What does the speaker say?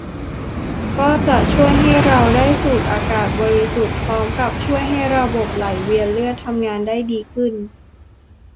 ก็จะช่วยให้เราได้สูดอากาศบริสุทธิ์ พร้อมกับช่วยให้ระบบไหลเวียนเลือดทำงานได้ดีขึ้น